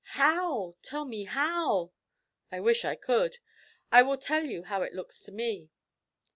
'How? Tell me how.' 'I wish I could! I will tell you how it looks to me.